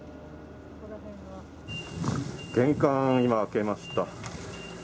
玄関今開けました。